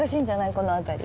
この辺り。